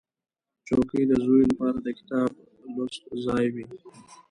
چوکۍ د زوی لپاره د کتاب لوست ځای وي.